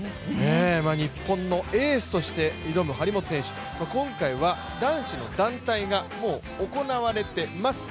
日本のエースとして挑む張本選手、今回は男子の団体がもう行われています。